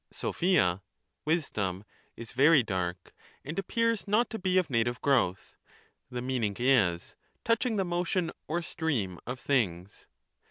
Locpia (wisdom) is very dark, and appears not to be of native growth ; the meaning is, touching the motion or stream of things.